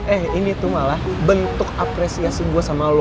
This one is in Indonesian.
eh ini tuh malah bentuk apresiasi gue